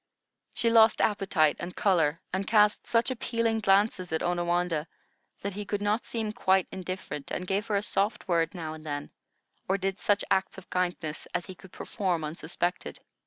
She lost appetite and color, and cast such appealing glances at Onawandah, that he could not seem quite indifferent, and gave her a soft word now and then, or did such acts of kindness as he could perform unsuspected.